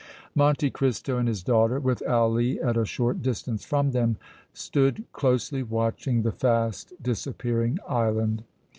Monte Cristo and his daughter, with Ali at a short distance from them, stood closely watching the fast disappearing island.